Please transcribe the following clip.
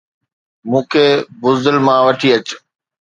مون کي بزدل مان وٺي اچ